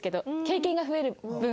経験が増える分。